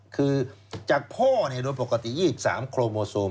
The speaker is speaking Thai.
คือจากพ่อโดยปกติ๒๓โครโมโซม